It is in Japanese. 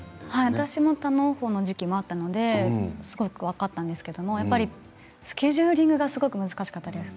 私も多のう胞の時期があったので分かったんですけれどもスケジューリングが難しかったです。